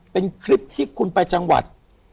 เป็นคลิปที่คุณไปจังหวัด